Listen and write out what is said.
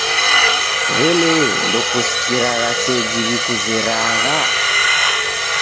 W'elee, ndekusikiragha seji w'ikuzeragha?